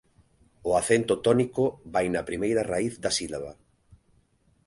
O acento tónico vai na primeira raíz da sílaba.